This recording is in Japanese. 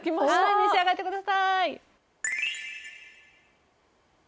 召し上がってください！